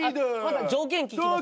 条件聞きます。